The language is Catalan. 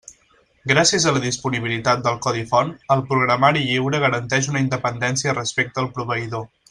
Gràcies a la disponibilitat del codi font, el programari lliure garanteix una independència respecte al proveïdor.